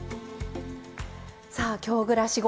さあ「京暮らしごはん」